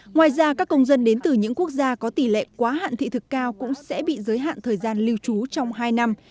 ngoài ra các công dân đến từ những quốc gia có tỷ lệ quá hạn thị thực cao cũng sẽ bị giới hạn thời gian lưu trú trong hai năm